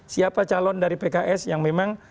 siapa calon dari pks yang memang